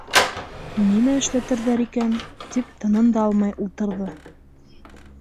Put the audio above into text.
«Нимә эшләтерҙәр икән?» - тип тынын да алмай ултырҙы.